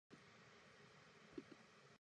人の危難につけ込んでさらに痛めつけることをいう。